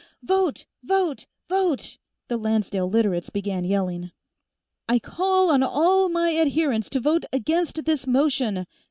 "Vote! Vote! Vote!" the Lancedale Literates began yelling. "I call on all my adherents to vote against this motion!"